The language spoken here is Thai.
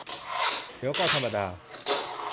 เดี๋ยวก็ธรรมดา